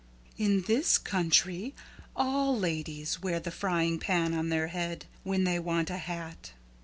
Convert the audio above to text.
"In this country all ladies wear the frying pan on their head when they want a hat."